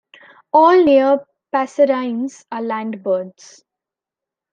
All near passerines are land birds.